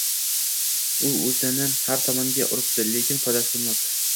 U o‘zini har tomonga uribdi, lekin foydasi bo‘lmabdi